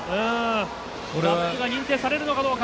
ラップが認定されるのかどうか。